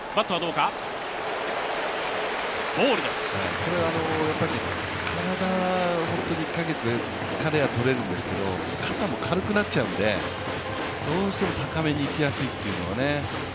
これは体は本当に１カ月で疲れはとれるんですけど肩も軽くなっちゃうので、どうしても高めにいきやすいというのがね。